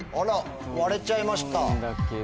割れちゃいました。